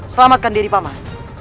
selamatkan diri paman